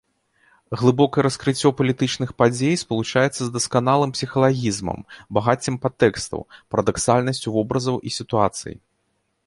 Глыбокае раскрыццё палітычных падзей спалучаецца з дасканалым псіхалагізмам, багаццем падтэкстаў, парадаксальнасцю вобразаў і сітуацый.